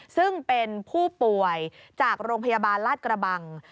ซึ่งเป็นผู้ป่วยจากโรงพยาบาลลาดกระบัง